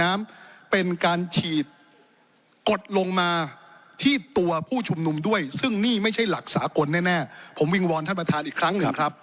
ไม่ใช่หลักษากลแน่ผมวิ่งวอนท่านประธานอีกครั้งหนึ่งครับ